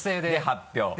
で発表。